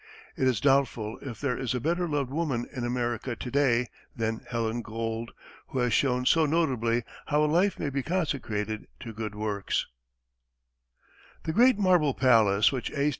It is doubtful if there is a better loved woman in America to day than Helen Gould, who has shown so notably how a life may be consecrated to good works. [Illustration: WANAMAKER] The great marble palace which A.